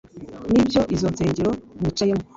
nibyo izo nsengero mwicayemo